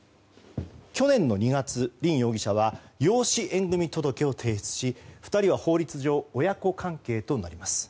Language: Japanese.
去年の２月、凜容疑者は養子縁組届を提出し２人は法律上親子関係となります。